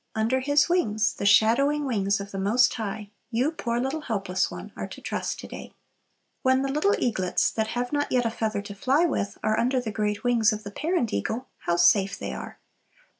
Under His wings, the shadowing wings of the Most High, you, poor little helpless one, are to trust to day. When the little eaglets, that have not yet a feather to fly with, are under the great wings of the parent eagle, how safe they are!